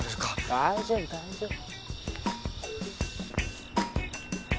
大丈夫大丈夫。